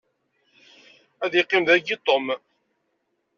Ad iqqim dagi Tom.